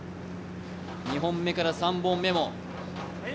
２本目から３本目も。